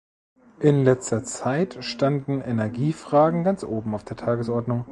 In letzter Zeit standen Energiefragen ganz oben auf der Tagesordnung.